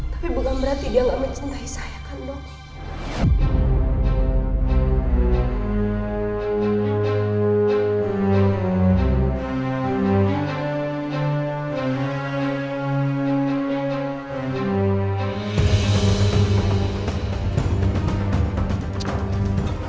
tapi bukan berarti dia gak mencintai saya kan dok